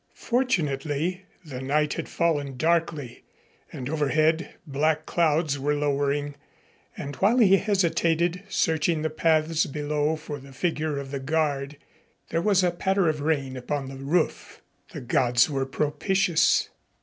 Fortunately the night had fallen darkly, and overhead black clouds were lowering, and while he hesitated, searching the paths below for the figure of the guard, there was a patter of rain upon the roof. The gods were propitious.